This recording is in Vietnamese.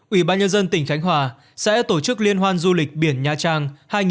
ủy ban nhân dân tỉnh khánh hòa sẽ tổ chức liên hoan du lịch biển nha trang hai nghìn một mươi chín